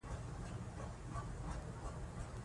د نورو په غم کې ځان شریک بولو.